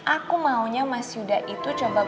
aku maunya mas yuda itu coba bunuh dia